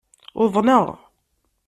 Uḍneɣ!